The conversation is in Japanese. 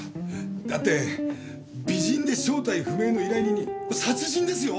だって美人で正体不明の依頼人に殺人ですよ？